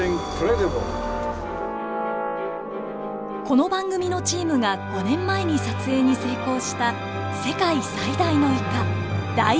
この番組のチームが５年前に撮影に成功した世界最大のイカダイオウイカ。